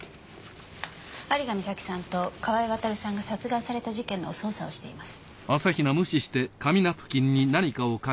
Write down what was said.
有賀美咲さんと川井渉さんが殺害された事件の捜査をしています。